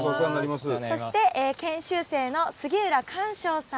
そして研修生の杉浦寛生さん。